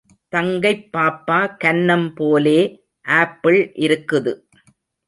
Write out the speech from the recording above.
தங்கைப் பாப்பா கன்னம் போலே ஆப்பிள் இருக்குது.